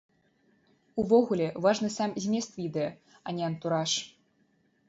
Увогуле, важны сам змест відэа, а не антураж.